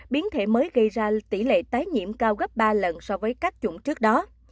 biến thể mới gây ra tỷ lệ tái nhiễm cao gấp ba lần so với các chủng trước đó